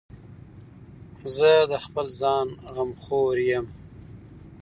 زه د خپل ځان غمخور یم.